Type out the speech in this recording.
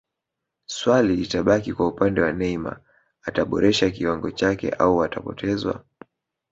swali litabaki kwa upande wa Neymar ataboresha kiwango chake au atapotezwa